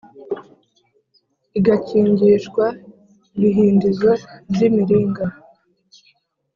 igakingishwa ibihindizo by’imiringa